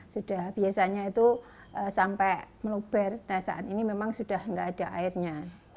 sudah biasanya itu sampai meluber nah saat ini memang sudah tidak ada airnya